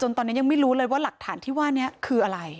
ตอนนี้ยังไม่รู้เลยว่าหลักฐานที่ว่านี้คืออะไร